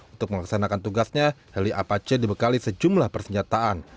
untuk melaksanakan tugasnya heli apache dibekali sejumlah persenjataan